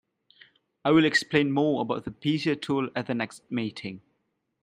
I will explain more about the Bezier tool at the next meeting.